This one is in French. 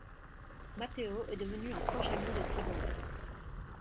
Matteo est devenu un proche ami de Tzigone.